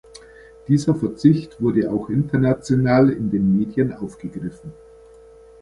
Dieser Verzicht wurde auch international in den Medien aufgegriffen.